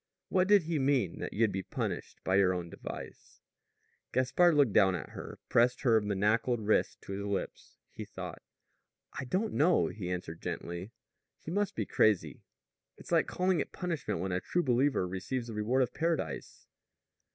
"What did he mean that you'd be punished by your own device?" Gaspard looked down at her, pressed her manacled wrist to his lips, took thought. "I don't know," he answered gently. "He must be crazy. It's like calling it punishment when a true believer receives the reward of paradise."